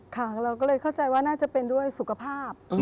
ค่ะเราก็เลยเข้าใจว่าน่าจะเป็นด้วยสุขภาพ